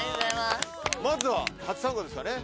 まずは初参加ですかね。